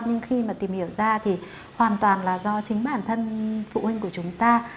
nhưng khi mà tìm hiểu ra thì hoàn toàn là do chính bản thân phụ huynh của chúng ta